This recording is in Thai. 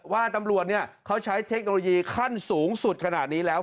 ว่าตำรวจเขาใช้เทคโนโลยีขั้นสูงสุดขนาดนี้แล้ว